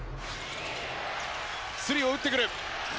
スリーを打ってくる。